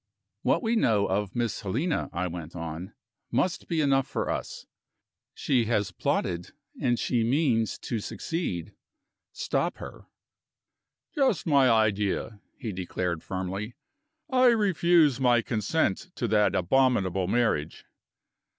"What we know of Miss Helena," I went on, "must be enough for us. She has plotted, and she means to succeed. Stop her." "Just my idea!" he declared firmly. "I refuse my consent to that abominable marriage."